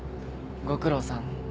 ご苦労さん。